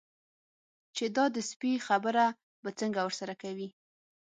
چې دا د سپي خبره به څنګه ورسره کوي.